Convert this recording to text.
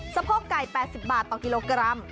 สะโพกไก่๘๐บาทต่อกิโลกรัม